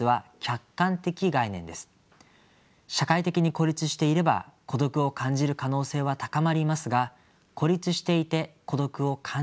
社会的に孤立していれば孤独を感じる可能性は高まりますが孤立していて孤独を感じない人もいます。